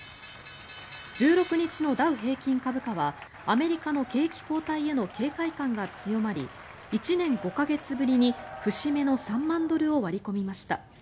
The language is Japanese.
１６日のダウ平均株価はアメリカの景気後退への警戒感が強まり１年５か月ぶりに節目の３万ドルを割り込みました。